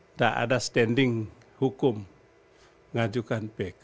tidak ada standing hukum ngajukan pk